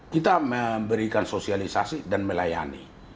kita memberikan sosialisasi dan melayani